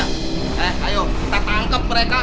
eh ayo kita tangkap mereka